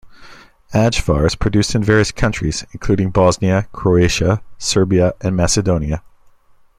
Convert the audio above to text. Ajvar is produced in various countries, including Bosnia, Croatia, Serbia and Macedonia.